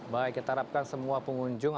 baik kita harapkan semua pengunjung